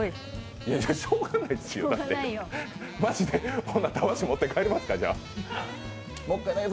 しょうがないですよ